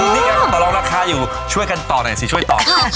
นี่กันประโรคลักษณ์อยู่ช่วยกันต่อหน่อยสิช่วยต่อ